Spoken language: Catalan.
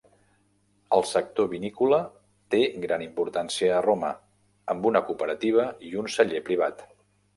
El sector vinícola té gran importància a Roma, amb una cooperativa i un celler privat.